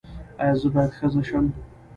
ایا زه باید ښځه شم؟